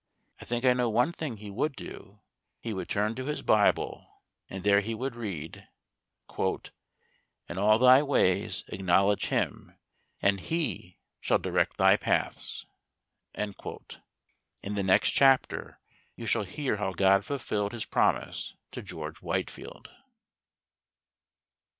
I think I know one thing he would do. He would turn to his Bible, and there he would read: "In all thy ways acknowledge Him, and He shall direct thy paths." In the next chapter you shall hear how God fulfilled His promise to George Whitefield.